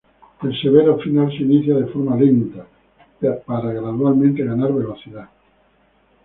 El severo final se inicia de forma lenta, para gradualmente ganar velocidad.